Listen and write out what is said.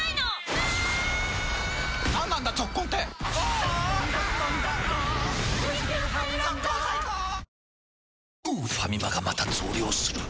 わかるぞファミマがまた増量する。